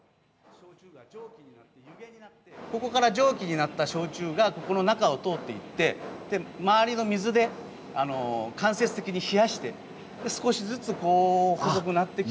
ここから蒸気になった焼酎がここの中を通っていってまわりの水で間接的に冷やして少しずつ細くなってきて。